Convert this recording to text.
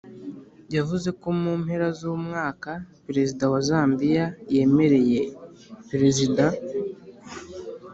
Yavuze ko mu mpera z’umwaka, Perezida wa Zambia, yemereye perezida